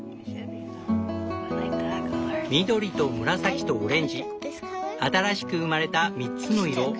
緑と紫とオレンジ新しく生まれた３つの色。